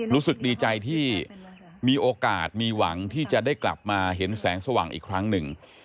รู้สึกดีใจที่มีโอกาสมีหวังที่จะได้กลับมาเห็นแสงสว่างอีกครั้งหนึ่ง